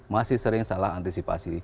masih sering salah antisipasi